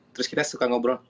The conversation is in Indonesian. terus kita suka ngobrol